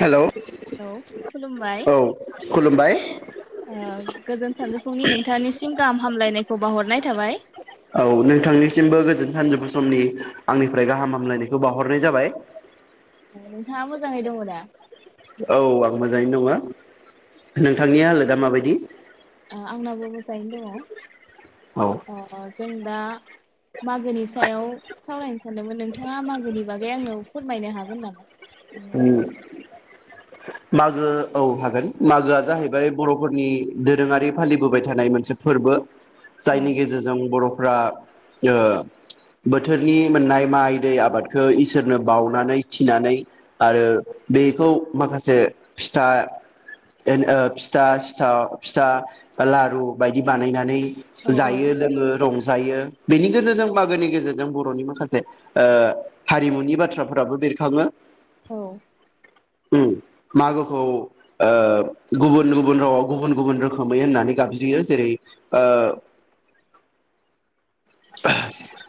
Hello खुलुमबाय औ खुलुमबाय औ ओ गोजोन सानजौफुंनि नोंथांनिसिम गाहाम हामलायनायखौ बाहरनाय थाबाय। नोंथांनिसिमबो गोजोन सानजौफु समनि आंनिफ्राय गाहाम हामलायनायखौ बावहरनाय जाबाय। नोंथाङा मोजाङै दङ दा? औ आं मोजाङैनो दङ नोंथांनि हालोदा माबायदि? ओ आंनाबो मोजाङैनो दङ। औ अ जों दा मागोनि सायाव सावरायनो सानदोंमोन नोंथाङा मागोनि बागै आंनाव फोरमायनो हागोन नामा? [unintelligible] मागो औ हागोन मागोआ जाहैबाय बर'फोरनि दोरोङारि फालिबोबाय थानाय मोनसे फोरबो। औ जायनि गेजेरजों बर' फ्रा ओ बोथोरनि मोननाय माइ दै आबादखो इसोरनो बावनानै थिनानै आरो बेखौ माखासे फिथा ओन ओ फिथा सिथा फिथा लारु बायदि बानायनानै औ जायो लोङो रंजायो। बेनि गेजेरजों मागोनि गेजेरजों बर'नि माखासे ओ हारिमुनि बाथ्राफोराबो बेरखाङो। औ उम मागोखौ ओ गुबुन गुबुन रावाव गुबुन गुबुन रोखोमै होननानै गाबज्रियो जेरै ओ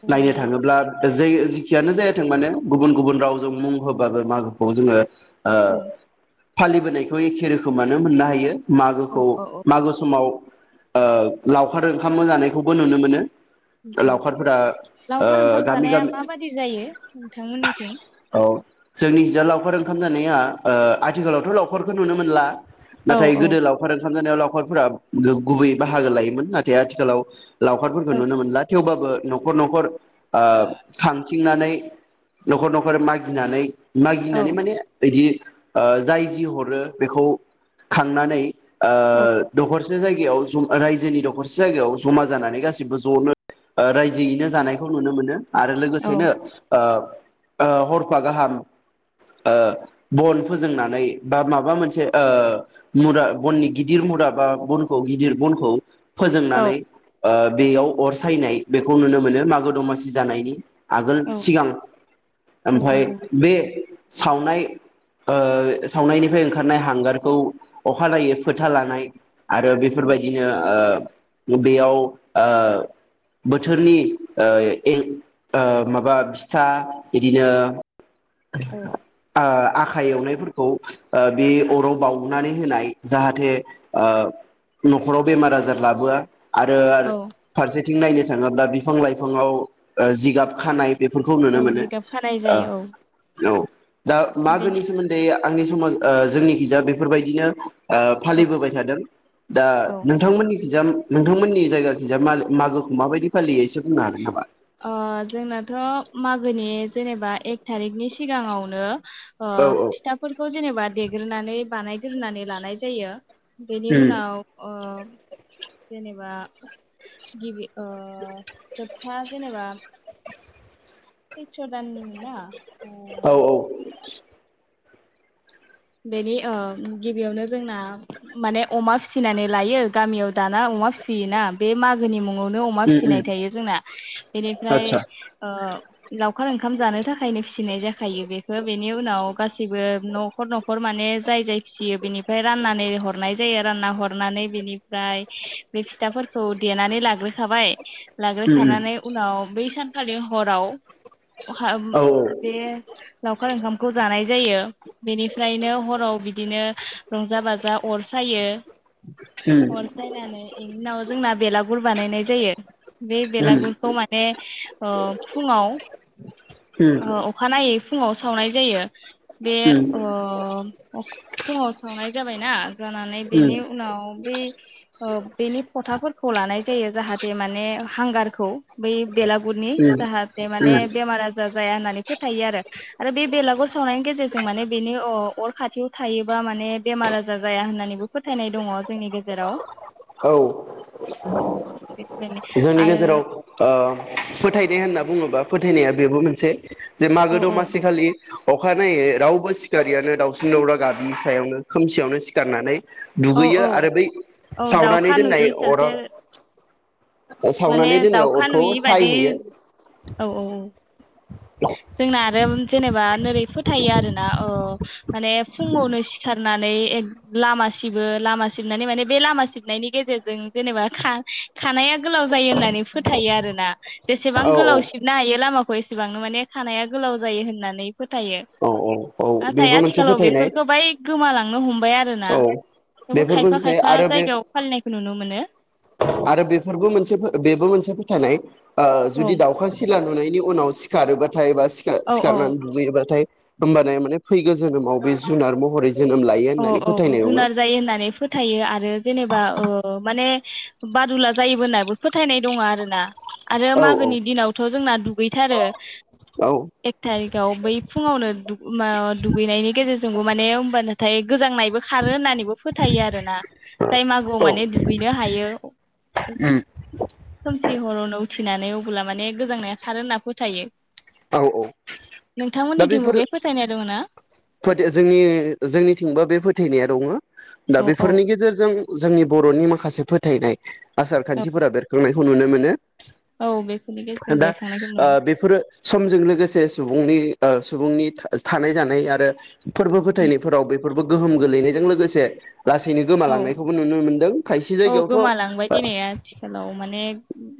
औ नायनो थाङोब्ला जै जिखियानो जायाथों मानो गुबुन गुबुन रावजों मुं होबाबो मा खौ जोङो आ। फालिबोनायखौ एखे रोखोमानो मोननो हायो। औ मागोखौ औ औ मागो समाव ओ लावखार ओंखामबो जानायखौबो नुनो मोनो। लावखारफोरा ओ लावखार ओंखाम गामि जानाया गामि माबादि जायो नोंथांमोननिथिं? औ जोंनिखिजा लावखार ओंखाम जानाया ओ आथिखालावथ' लावख फोरखौ नुनो मोनला औ नाथाय गोदो लावखार ओंख ओंखाम जानायाव लावखारफोरा गो-गुबैयै बाहागो लायोमोन नाथाय आथिखालाव लावखारफोरखो औ नुनो मोनला। थेवबाबो न'खर न'खर ओ खांथिंनानै न'खर न'खर मागिनानै मागिनानै औ माने इदि ओ जाय जि हरो बेखौ खांनानै ओ औ दखरस मोनसे जायगायावा जु-रायजोनि दखरसे जायगायाव जमा जानानै गासिबो ज'नो रायजोयैनो जानायखौ नुनो मोनो। आरो औ लोगोसेनो ओ ओ हरफा गाहाम ओ बन फोजोंनानै बा माबा मोनसे ओ मुरा बननि गिदिर मुरा बा बनखौ गिदिर बनखौ औ फोजोंनानै ओ बेयाव अर सायनाय बेखौ नुनो मोनो मागो दमासि जानायनि आगोल औ सिगां औ ओमफाय बे सावनाय ओ सावनायनिफ्राय ओंखारनाय हांगारखौ अखानायै फोथा लानाय आरो बेफोरबायदिनो ओ बेयाव ओ बोथोरनि ओ ए-माबा फिथा इदिनो औ आ आख खाय एवनायफोरखौ ओ बे अराव बाउनानै होनाय जाहाथे ओ न'खराव बेमार आजार लाबोआ आरो औ फारसे तिन नायनो थाङोब्ला बिफां लाइफांआव ओ जिगाब खानाय बेफोरखौ नुनो औ मोनो जिगाब खानाय जायो औ ओ औ। दा बेनि मागोनि सोमोन्दै आंनि समाज ओ जोंनि खिजा बेफोरबायदिनो ओ औ फालिबोबाय थादों दा औ नोंथांमोननि इजा नोंथांमोननि जायगााखिजा मागोखौ माबायदि फालियो एसे बुंनो हागोन नामा? ओ जोंनाथ' मागोनि जेनेबा एक थारिखनि सिगाङावनो ओ औ फिथाफोरखौ जेनेबा देग्रोनानै बानायग्रोनानै लानाय जायो। बेनि उम उनाव ओ जेनेबा गिबि ओ जोबथा जेनेबा स्रैथ्र दाननि मोना औ औ बेनि ओ गिबियावनो जोंना माने अमा फिसिनानै लायो गामियाव दाना अमा फिसियोना बे मागोनि मुं आवनो अमा उम उम फिसिनाय थायो जोंना बेनिफ्राय आतसा ओ लावखार ओंखाम जानो थाखायनो फिसिनाय जाखायो बेखौ बेनि उनाव गासैबो न'खर न' खर माने जाय जाय फिसियो बिनि ओमफ्राय राननानै हरनाय जायो आ रानना हरनानै बेनिफ्राय बे फिथाफोरखौ देनानै लाग्रोखाबाय उम लाग्रोखानानै उनाव बै सान खालि हराव उम औ बे लावखार ओंखामखौ जानाय जायो बेनि फ्रायनो हराव बि दिनो रंजा बाजा अर सायो। उम अर सायनानै इनि उनाव जोंना बेला गुर बानायनाय जायो बे उम बेलागुरखौ माने ओ फुङाव ओ अखानायै फुङाव सावनाय जायो‌ बे उम अ अ फुंआव संनाय जाबायना जानानै बेनि उनाव बे बेनि फथाफोरखौ लानाय जायो जाहाथे माने हांगारखौ बै बेलागुरनि जाहाथे माने बेमार आजार जाया होननानै फोथायो आरो। आरो बे बेलागुर सावनायनि गेजेरजों माने अर खाथियाव थायोबा माने बेमार आजार जाया होननानैबो फो औ बेबायदिनो जोंनि आरो गेजेराव ओ फोथायदे होनना बुङोबा फोथायनाया बेबो मोनसे जे औ मागो औ दमासि खालि अखानायै रावबो सिखारियानो दाउसिन दावला गाबि सायावनो खोमसियावनो सिखारनानै औ दुगैयो औ आरो बै औ सावनानै दाउखा दोननाय नुयि सासे अराव माने सावनानै दोननाय दावखा अरखौ नुयि बादि सायहैयो औ औ औ जोंना आरो जेनेबा नोरै फोथायो आरोना अ माने फुङावनो सिखारना नै लामा सिबो लामा सिबनानै माने बे लामा सिबनायनि गेजेरजों जेनेबा खा खानाया गोलाव जायो होननानै फोथायो आरोना जेसेबां औ औ गोलाव सिबनो हायो लामाखौ [unintelligible] गोबांनो माने खानाया गोलाव जायो होननानै फोथायो औ औ नाथाय बेबो मोनसे आथिखालाव फोथायनाय बेफोरखौ बाय गोमालांनो हमबाय आ [unintelligible] आरोना औ थेवबो बेफोरखौ खायफा जे खायफा आरो बे जायगायाव फालिनायखौ नुनो मोनो। आरो बेफोरबो मोनसे फो बेबो मोनसे फोथायनाय ओ औ जुदि दाउखा सिला नुनायनि उनाव सिखारोबाद थाय बा सिखा औ औ सिखारनानै दुगैयोबाथाय होमबानाय माने फैगो जोनोमाव बे जुनार महरै जोनोम लायो औ होननानै औ फोथायनाय दङो जुनार जायो होननानै फोथायो आरो जेनेबा ओ माने बादुला जायोबो होननाबो फोथायनाय दङ आरो ना। आरो औ मागोनि दिनावथ' जोंना दुगैथारो एक थारिखआव बै फुङावनो दुग मा दुगैनायनि गेजेरजोंबो माने होमबानो थाइख गोजांनायबो खारो होननानैबो फोथायो आरोना जाय मागोआव औ माने दुगैनो हायो खोमसि हरावनो उथिनानै अबोला माने गोजांनाया खारो होनना फोथायो। औ औ दा नोंथांमोननिथिंबो बेफोर बे फोथायनाय दङ ना फोदिया जोंनि जोंनिथिंबो बे फोथायनाया दङ। दा औ औ बेफोरनि गेजेरजों जोंनि बर'नि माखासे फोथायनाय आसार औ खान्थिफोरा बेरखांनाय [unintelligible] नुनो मोनो औ बेफोरनि गेजेरजों दा बेरखांनायखौ ओ नुन बेफोरो समजों लोगोसे सुबुंनि ओ सुबुंनि था थानाय जानाय आरो फोरबो फोथायनायफोराव बे फोरबो गोहोम गोलैनायजों लोगोसे लासैनो औ गोमालांनायखौबो नुनो मोनदों खायसे औ जायगायावथ' गोमालांबाय दिनै आथिखालाव माने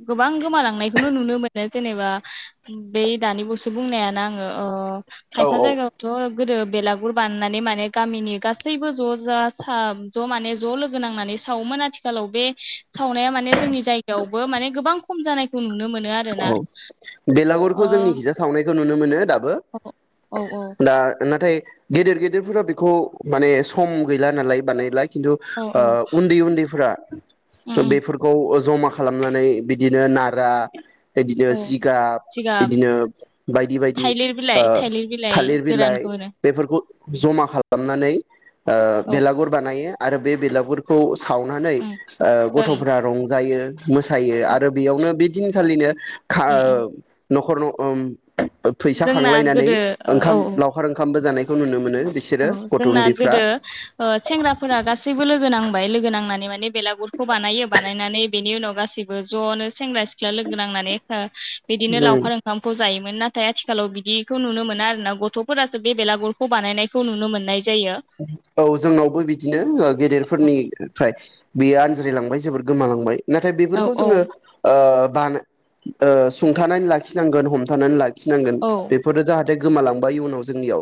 गोबां गोमालांनायखौनो नुनो मोनो जेनेबा बै दानिबसो बुंनायानो आङो ओ औ खायफा जायगाथ' गोदो बेलागुर बाननानै माने गामिनि गासैबो ज जा था ज माने ज लोगो नांनानै सावोमोन आथिखालाव बे सावनाया माने जोंनि जायगायावबो माने गोबां खम जानायखौ नुनो मोनो आरोना औ अ बेलागुरखौ जोंनि खिजा सावनायखौ नुनो मोनो दा बो औ औ दा नाथाय गेदेर गेदेरफोरा बेखौ माने सम गैला नालाय बानायलाय खिन्थु औ औ उन्दै ओ उन्दैफोरा उम उम बेफोरखौ ओ जमा खालामनानै बिदिनो नारा इदिनो औ जिगाब जिगाब इदिनो बायदि बायदि थाइलिर ओ बिलाइ थाइलिर बिलाइ थालिर बिलाइ गोरानखौ होनो बेफोरखौ जमा खालामनानै ओ औ बेलागुर बानायो आरो बे बेलागुरखौ सावनानै ओं ओ ओं गथफोरा रंजायो मोसायो उम आरो बेयावनो बे दिनखालिनो खा उम नखर न ओम फैसा जोंना खांलायनानै गोदो औ ओंखाम लावखार ओंखामबो जानाय खौ नुनो मोनो औ बिसोरो गथ' जोंना उन्दैफ्रा गोदो ओ सेंग्राफोरा गासैबो लोगो नांबाय लोगो नांनानै माने बे बेलागुरखौ बानायो बानायनानै बेनि उनाव गासैबो ज नो सेंग्रा सिख्ला लोगो नांनानै बिदिनो उम लावखार ओंखामखौ जायोमोन नाथाय आथिखालाव बिदिखौ नुनो मोना आरोना गथफोरासो बे बेलागुरखौ बानायनाय खौ नुनो मोननाय औ जोंनावबो बिदिनो गेदेरफोरनिफ्राय बेयो आनज्रिायलांबाय जोबोर गोमालांबाय नाथाय औ बेफोरखौ औ जोङो ओ आनो ओ सुंथानानै लाखिनांगोन हमथानानै ला खिनांगोन औ बेफोरो जाहाथे गोमालांबाय इयुनाव जोंनियाव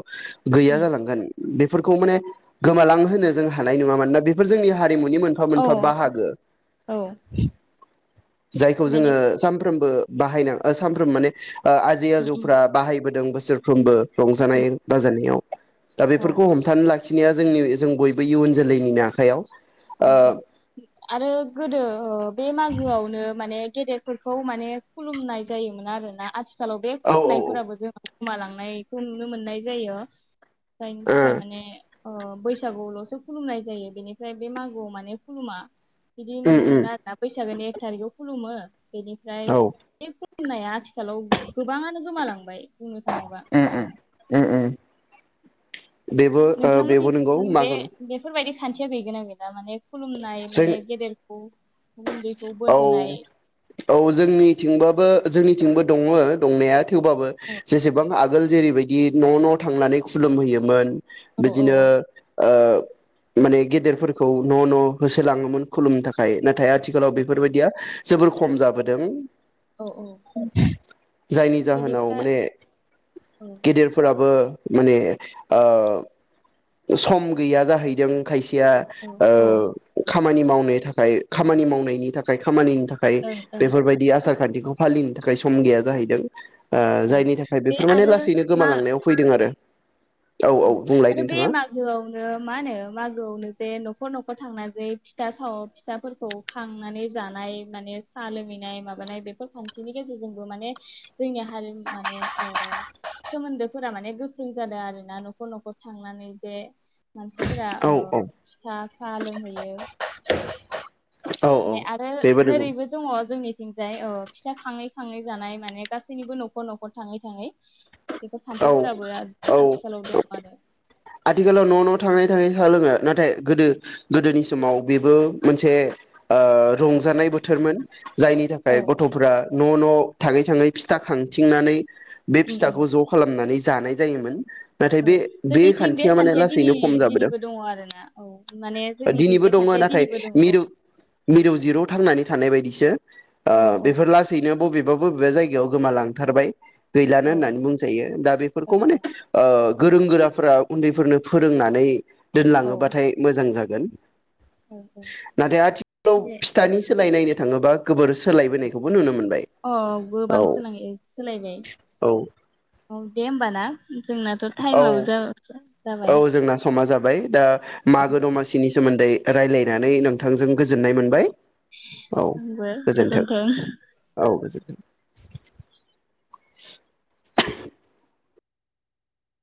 गैया जालांगोन बे बेफोरखौ माने गोमालां होनो जों हानाय नङा मानोना बेफोर जोंनि हारिमुनि मोनफा औ मोनफा बाहागो औ जायखौ जोङो बेनि सानफ्रोमबो बाहायना ओ सानफ्रोम माने ओ आजै आजौफ्रा बाहायबोदों बोस सोरफ्रोमबो रंजानाय बाजानायाव दा औ बेफोरखौ हमथानो लाख खिनाया जोंनि इ जों बयबो इयुन जोलैनिनो आखायाव ओ अ औ अ आरो गोदो ओ बे मागोआवनो माने गेदेरफोरखौ माने खुलुमनाय जायोमोन आरो ना आथि खालाव बे औ ओ खुुमनायफोराबो [unintelligible] गोमालांनायखौ नुनो मोननाय जायो जायनि थाखाय उम माने ओ बैसागुआवलसो खुलुमनाय जायो बेनिफ्राय बे मागोआव माने खुलुमा बिदि नुनो मोनो उम आरोना बैसागोनि एक थारिखआव खुलुमो बेनिफ्राय औ [unintelligible] खुलुमनाया आथि खालाव गोबाङानो गोमालां बाय बुंनो थाङोबा ओम-ओम बेबो ओ बेबो नोंगौ नोंथांमोननिथिं बे मागो बेफोरबायदि खान्थिया गैगोना गैला माने खुलुमनाय माने गेदेर औ औ-औ जोंनिथिंबाबो जोंनिथिंबो दङ दंनाया थेवबाबो ओ जेसेबां आगोल जेरैबायदि न न थांनानै खुलुमहैयोमोन औ औ बिदिनो ओ माने गेदेरफोरखौ न न होसोलाङोमोन खुलुमनो थाखाय नाथाय आथिखालाव औ बे फोरबायदिया जोबोर खम जाबोदों औ [inaudible] जायनि औ जाहोनाव बेनिफ्राय माने औ गेदेरफोराबो माने ओ सम गैया जाहैदों खायसे या औ ओं ओ खामानि माव थाखाय खामानि मावनायनि थाखाय खामानि थाखाय ओं बेफोरबायदि आसारखान्थि बेखौ फालिनो थाखाय सम गैया जाहैदों ओं जायनि थाखाय बे बेफोर माने आरो लासैनो मा गोमालांनायाव फैदों आरो औ औ बुंलाय नोंथाङा गोआवनो मा होनो मागोआवनो जे न'खर न'खर थांनानै जे फिथा साव फिथाफोरखौ खांनानै जानाय माने साहा लोंङैनाय माबानाय बेफोर खान्थिनि गेजेरजोंबो माने जोंनि हारि माने सोमोन्दोफोरा माने गोख्रों जादों आरो ना न'खर न'खर थांनानै जे मानसिफोरा औ औ ओ फिथा साहा लोंहैयो औ औ माने आरो बेबो नंगौ नोरैबो दङ जोंनिथिंजाय फिथा खाङै खाङै जानाय माने गासैनिबो न'खर न'खर थाङै थाङै बेफोर खान्थिफोराबो औ औ आथिखालाव दं आथिखालाव न' न' थाङै थाङै साह लोङो नाथाय गोदो गोदोनि समाव बेबो मोनसे रंजानाय बोथोरमोन जायनि थाखाय औ गथ'फ्रा न' न' थाङै थाङै फिथा खांथिंनानै बे उम उम फिथाखौ ज' खालामनानै जानाय जायोमोन नाथाय औ बे बे खा जोंनिथिं खान्थिया दिनै दिनैबो दङ आरोोना औ माने जोंनिथिं दिनैबो बे दङ खान्थिया नाथाय दिनैबो दङ औ बे थानाय बायदिसो औ औ बेफोर लासैनो बबे बबे बबे जायगायाव औ गोमालांथारबाय गैलानो औ होननानै बुंजायो दा बेफोरखौ माने ओ गोरों गोराफोरा उन्दैफोरनो फोरोंनानै औ दोनलाङोबाथाय मोजां जा गोन औ औ नाथाय आथिखालाव दे फिथानि सोलाय नायनो थाङोबा गोबोर सोलायबोनायखौबो नुनो मोनदों अ गोबां सोल सोलायबाय औ औ दे होमबाना जोंनाथ' औ टाइमाबो जा-जाब औ जोंना समा जाबाय दा औ मागो दमासिनि सोमो न्दै रायलायनानै नोंथांजों गोजोननाय मोनबाय। औ आंबो गोजोनथों गोजोन्थों औ गोजोन [inaudible]